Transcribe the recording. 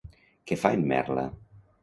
Què fa en Merla?